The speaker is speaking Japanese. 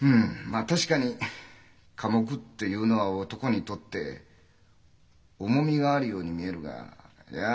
まっ確かに寡黙っていうのは男にとって重みがあるように見えるがいや